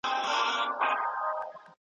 زورور وو پر زمریانو پر پړانګانو `